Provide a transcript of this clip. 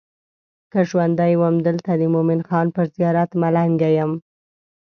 که ژوندی وم دلته د مومن خان پر زیارت ملنګه یم.